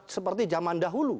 seperti zaman dahulu